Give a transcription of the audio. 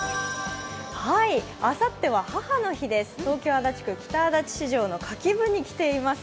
あさっては母の日です、東京・足立区、北足立市場の花き部に来ています。